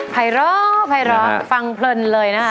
ภัยร้อภัยร้อฟังเพลินเลยนะคะ